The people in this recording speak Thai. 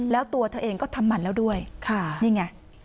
แล้วตัวเธอเองก็ทำหมันแล้วด้วยนี่ไง